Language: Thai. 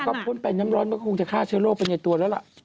ก็พ้นไปน้ำร้อนมันก็คงจะฆ่าเชื้อโรคไปในตัวแล้วล่ะ